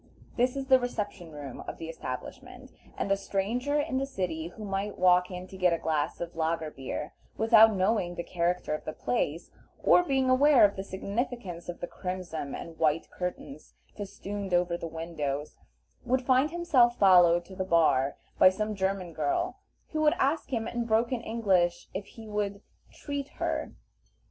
This is the reception room of the establishment, and a stranger in the city, who might walk in to get a glass of lager beer, without knowing the character of the place, or being aware of the signification of the crimson and white curtains festooned over the windows, would find himself followed to the bar by some German girl, who would ask him in broken English if he would "treat her."